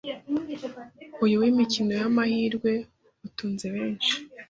uyu w’imikino y’amahirwe utunze benshi